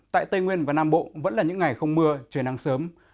tại tây nguyên và nam bộ vẫn là những ngày không mưa trời nắng sớm